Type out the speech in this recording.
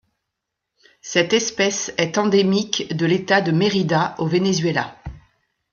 Cette espèce est endémique de l'État de Mérida au Venezuela.